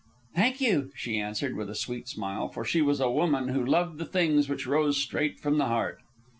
"Thank you," she answered with a sweet smile; for she was a woman who loved the things which rose straight from the heart.